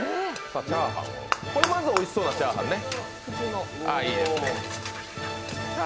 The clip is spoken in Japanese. これ、まずおいしそうなチャーハンね。